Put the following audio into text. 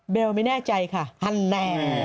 เบลไม่แน่ใจค่ะอันแหนะ